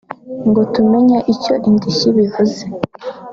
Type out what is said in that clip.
ngo tumenye icyo indishyi (réparation) bivuze